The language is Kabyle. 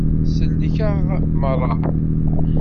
Tsellek-aɣ merra.